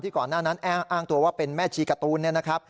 ที่ก่อนหน้านั้นอ้างตัวว่าเป็นแม่ชีกาตูน